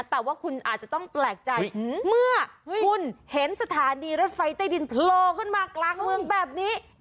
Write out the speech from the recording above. แต่ว่าคุณอาจจะต้องแปลกใจเมื่อคุณเห็นสถานีรถไฟใต้ดินโผล่ขึ้นมากลางเมืองแบบนี้